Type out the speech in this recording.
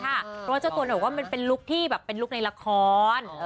เพราะว่าเจ้าตัวหนูก็เป็นลุคที่เป็นลุคในละคร